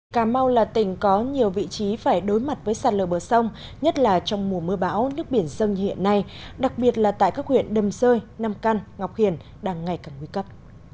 cà mau là tỉnh có nhiều vị trí phải đối mặt với sạt lở bờ sông nhất là trong mùa mưa bão nước biển dâng như hiện nay đặc biệt là tại các huyện đầm rơi nam căn ngọc hiển đang ngày càng nguy cấp